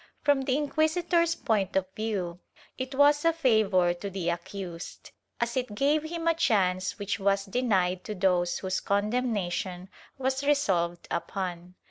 From the inquisitor's point of view, it was a favor to the accused, as it gave him a chance which was denied to those whose condemnation was resolved upon.